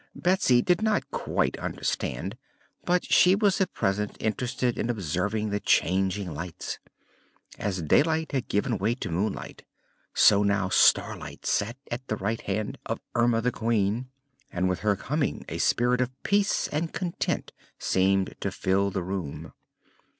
Betsy did not quite understand, but she was at present interested in observing the changing lights. As Daylight had given way to Moonlight, so now Starlight sat at the right hand of Erma the Queen, and with her coming a spirit of peace and content seemed to fill the room.